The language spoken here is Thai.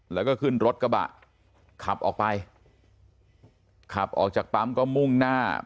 แล้วก็ขึ้นรถกระบะขับออกไปขับออกจากปั๊มก็มุ่งหน้า